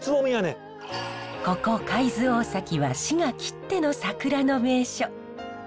ここ海津大崎は滋賀きっての桜の名所。